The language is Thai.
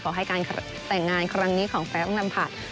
ขอให้การแต่งงานครั้งนี้ของแฟ้งลำผัด